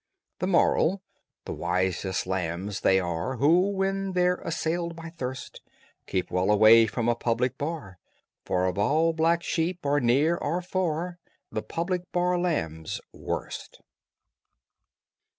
THE MORAL: The wisest lambs they are Who, when they're assailed by thirst, Keep well away from a public bar; For of all black sheep, or near, or far, The public bar lamb's worst!